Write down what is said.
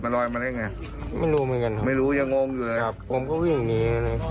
ผมก็มีอย่างนี้